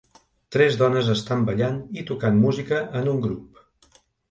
Tres dones estan ballant i tocant música en un grup